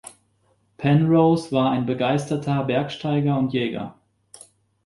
Penrose war ein begeisterter Bergsteiger und Jäger.